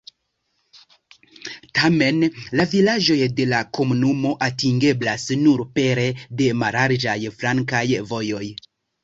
Tamen la vilaĝoj de la komunumo atingeblas nur pere de mallarĝaj flankaj vojoj.